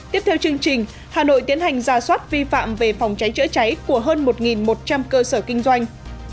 tiếp theo chương trình hà nội tiến hành ra soát vi phạm về phòng cháy chữa cháy của hơn một một trăm linh cơ sở kinh doanh